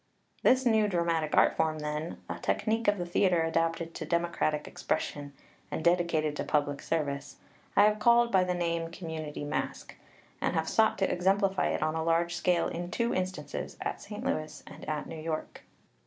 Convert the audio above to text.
" This new dramatic art form, then a technique of the theatre adapted to democratic expression and dedicated to public service I have called by the name Community Masque, and have sought to exemplify it on a large scale in two instances, at Saint Louis and at New York.